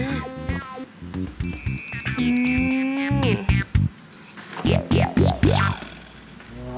มาดูมาดู